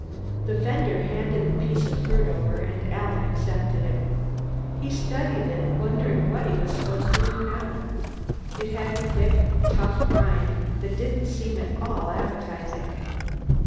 The vender handed the piece of fruit over and Alan accepted it. He studied it, wondering what he was supposed to do now. It had a thick, tough rind that didn't seem at all appetizing.